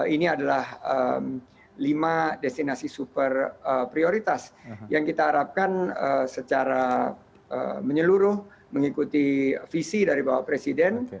ini adalah lima destinasi super prioritas yang kita harapkan secara menyeluruh mengikuti visi dari bapak presiden